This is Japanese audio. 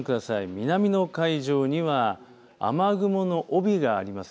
南の海上には雨雲の帯があります。